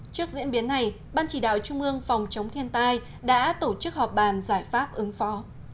trước diễn biến này ban chỉ đạo trung ương phòng chống thiên tai đã tổ chức họp bàn giải pháp ứng phó